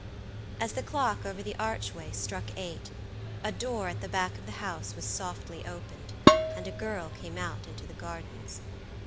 As the clock over the archway struck eight, a door at the back of the house was softly opened, and a girl came out into the gardens.